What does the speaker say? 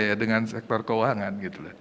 ya dengan sektor keuangan